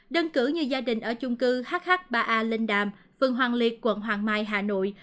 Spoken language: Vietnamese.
đơn cử như gia đình ở chung cư hh ba a linh đàm phường hoàng liệt quận hoàng mai hà nội